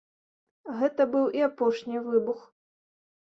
Гэта быў і апошні выбух.